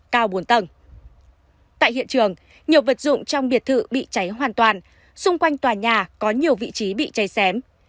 tại hiện trường nhiều vật dụng trong biệt thự bị cháy hoàn toàn xung quanh tòa nhà có nhiều vị trí bị cháy xém